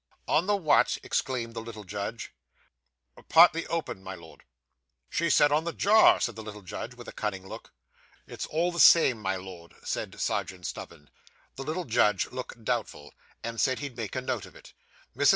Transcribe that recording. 'On the what?' exclaimed the little judge. 'Partly open, my Lord,' said Serjeant Snubbin. 'She said on the jar,' said the little judge, with a cunning look. 'It's all the same, my Lord,' said Serjeant Snubbin. The little judge looked doubtful, and said he'd make a note of it. Mrs.